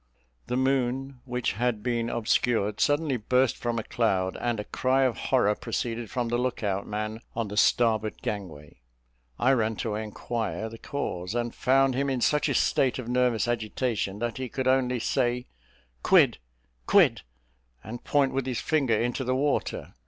The moon, which had been obscured, suddenly burst from a cloud, and a cry of horror proceeded from the look out man on the starboard gangway. I ran to inquire the cause, and found him in such a state of nervous agitation that he could only say, "Quid Quid!" and point with his finger into the water.